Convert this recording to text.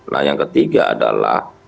nah yang ketiga adalah